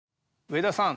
上田さん